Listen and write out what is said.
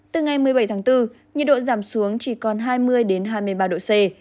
từ ngày một mươi bảy tháng bốn nhiệt độ giảm xuống chỉ còn hai mươi hai mươi ba độ c